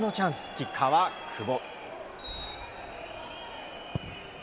キッカーは久保。